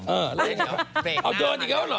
เออเล่นเหรอเอาโดนอีกแล้วเหรอ